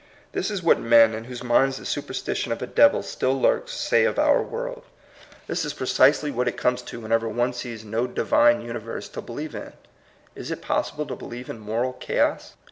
This is what men, in whose minds the superstition of a devil still lurks, say of our world. This is precisely what it 62 THE COMING PEOPLE. comes to whenever one sees no Divine uni verse to believe in. Is it possible to believe in moral chaos?